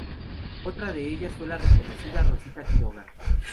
Otra de ellas fue la reconocida Rosita Quiroga.